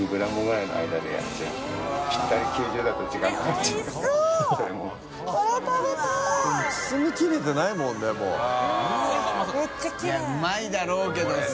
いうまいだろうけどさ。